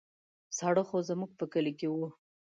ساړه خو زموږ په کلي کې وو.